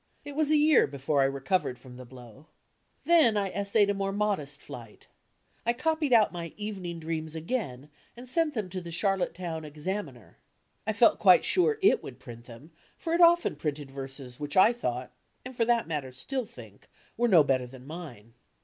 It was a year before I recovered from the blow. Then I essayed a more modest flight. I copied out my "Evening Dreams" again and sent them to the Chartottetown Examiner. I felt D,i„Mb, Google quite sure it would print them, for it often printed verses which I thought, and, for that matter, still think, were no bener than mine.